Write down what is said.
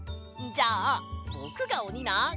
じゃあぼくがおにな！